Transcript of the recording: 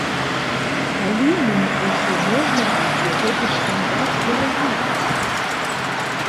Калі ім ужо можна будзе гэты штандар пераймаць?